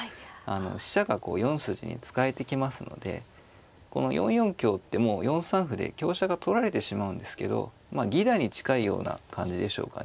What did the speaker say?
飛車が４筋に使えてきますのでこの４四香ってもう４三歩で香車が取られてしまうんですけどまあ犠打に近いような感じでしょうかね。